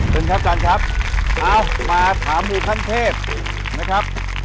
เชิญครับจอนครับมาถามหมู่ขั้นเพศนะครับ